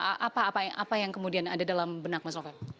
apa yang kemudian ada dalam benak mas novel